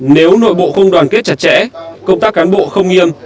nếu nội bộ không đoàn kết chặt chẽ công tác cán bộ không nghiêm